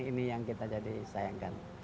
ini yang kita jadi sayangkan